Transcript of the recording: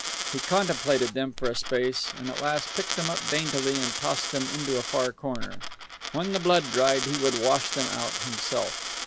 He contemplated them for a space, and at last picked them up daintily and tossed them into a far corner. When the blood dried he would wash them out himself.